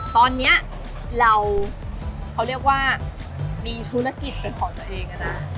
ตอนนี้เราเขาเรียกว่ามีธุรกิจเป็นของตัวเองนะ